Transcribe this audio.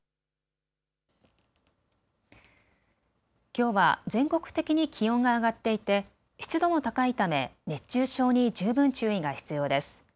きょうは全国的に気温が上がっていて湿度も高いため熱中症に十分注意が必要です。